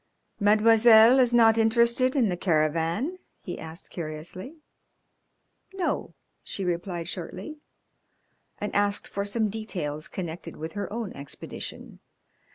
"Mademoiselle is not interested in the caravan?" he asked curiously. "No," she replied shortly, and asked for some details connected with her own expedition.